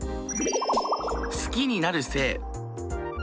好きになる性。